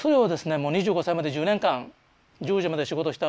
２５歳まで１０年間１０時まで仕事した